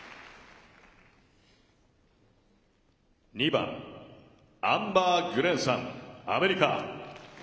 ２番アンバー・グレンさん、アメリカ。